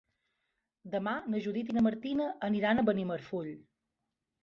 Demà na Judit i na Martina iran a Benimarfull.